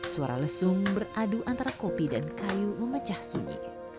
suara lesung beradu antara kopi dan kayu memecah sunyi